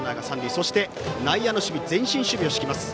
そして、内野の守備は前進守備。